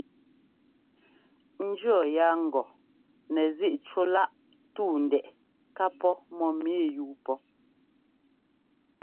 N jʉɔ́ yaa ŋgɔ nɛzíꞌ cúláꞌ túu ndɛꞌɛ ká pɔ́ mɔ́mǐ yúu pɔ́.